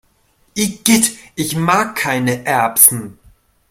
Igitt, ich mag keine Erbsen!